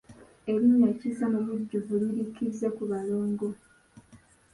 Erinnya Kizza mu bujjuvu liri Kizzekubalongo.